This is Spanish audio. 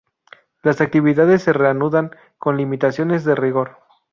Las actividades se reanudan con limitaciones de rigor.